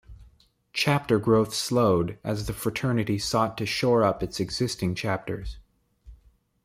Chapter growth slowed, as the fraternity sought to shore up its existing chapters.